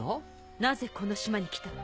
なぜこの島に来た？